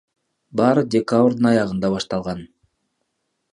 Баары декабрдын аягында башталган.